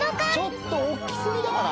ちょっとおっきすぎたかな？